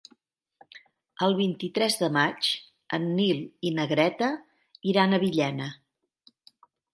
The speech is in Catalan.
El vint-i-tres de maig en Nil i na Greta iran a Villena.